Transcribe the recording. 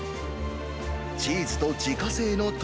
チーズと自家製の鶏